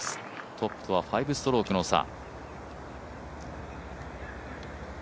トップとは５ストロークの差。